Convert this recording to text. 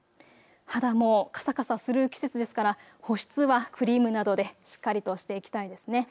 肌もかさかさする季節ですから保湿はクリームなどでしっかりとしていきたいですね。